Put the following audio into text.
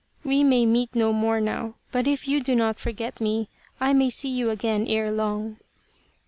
" We may meet no more now, but if you do not forget me I may see you again ere long."